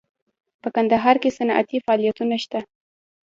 په کندهار کې صنعتي فعالیتونه شته